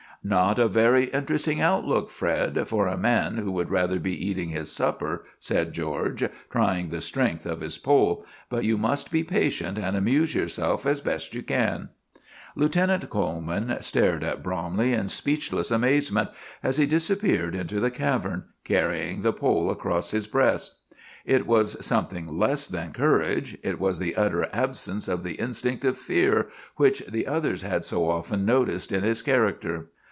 "Not a very interesting outlook, Fred, for a man who would rather be eating his supper," said George, trying the strength of his pole; "but you must be patient and amuse yourself as best you can." Lieutenant Coleman stared at Bromley in speechless amazement as he disappeared into the cavern, carrying the pole across his breast. It was something less than courage it was the utter absence of the instinct of fear which the others had so often noticed in his character.